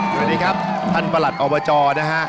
สวัสดีครับท่านประหลัดอบจนะฮะ